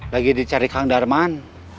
lagi dicari kang darman